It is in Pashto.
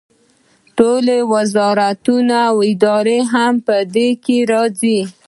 ټول وزارتونه او ادارې هم په دې کې راځي.